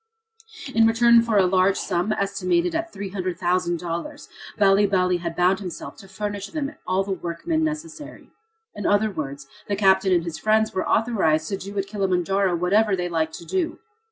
In return for a large sum, estimated at $300,000, Bali Bali had bound himself to furnish them all the workmen necessary. In other words, the captain and his friends were authorized to do at Kilimanjaro whatever they liked to do.